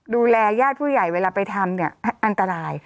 ดูแลญาติผู้ใหญ่เวลาไปทำเนี่ยอันตราย